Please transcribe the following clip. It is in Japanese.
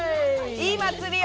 いい祭りを！